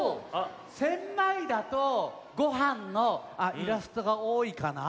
千枚田とごはんのイラストがおおいかな？